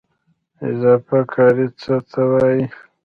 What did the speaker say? اضافه کاري څه ته وایي؟